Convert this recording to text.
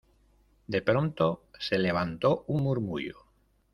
de pronto se levantó un murmullo: